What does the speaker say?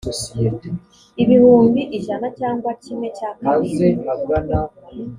ibihumbi ijana cyangwa kimwe cya kabiri